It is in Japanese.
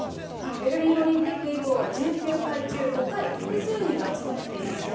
ベルリンオリンピック以降は、１９回中５回、複数人が務めていますね。